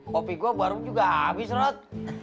kopi gua baru juga habis rod